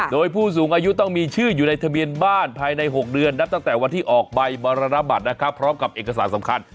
โดยผู้สูงอายุต้องมีชื่ออยู่ในทะเบียนบ้านภายใน๖เดือนนับตั้งแต่วันที่ออกใบมรณบัตรนะครับพร้อมกับเอกสารสำคัญ